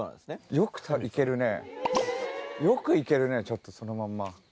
よく行けるねよく行けるねちょっとそのまんま。